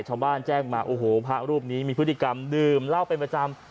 ชาวบ้านแจ้งมาโอ้โหพระรูปนี้มีพฤติกรรมดื่มเหล้าเป็นประจำ